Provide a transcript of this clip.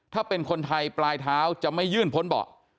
ถ้าเป็นคนไทยปลายเท้าจะไม่ยื่นพ้นเบาะ